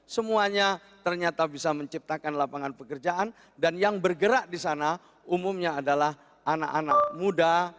semuanya ternyata bisa menciptakan lapangan pekerjaan dan yang bergerak di sana umumnya adalah anak anak muda